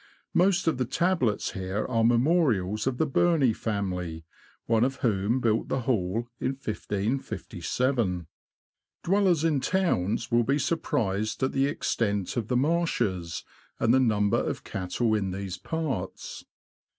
Most of the tablets here are memorials of the Berney family, one of whom built the Hall, in 1557. Dwellers in towns will be surprised at the extent of the marshes, and the number of cattle in these parts.